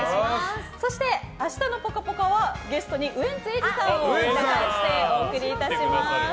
そして、明日の「ぽかぽか」はゲストにウエンツ瑛士さんをお迎えしてお送りします。